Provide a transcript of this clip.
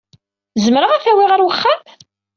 Zemreɣ ad t-awyeɣ ɣer uxxam?